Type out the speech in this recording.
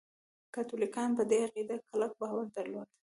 کاتولیکانو په دې عقیده کلک باور درلود.